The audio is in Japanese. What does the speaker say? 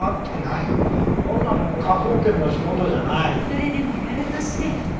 それでもやるとして。